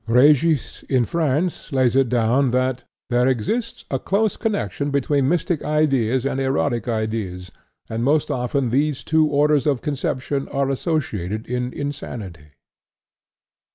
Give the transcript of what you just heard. " Régis, in France, lays it down that "there exists a close connection between mystic ideas and erotic ideas, and most often these two orders of conception are associated in insanity."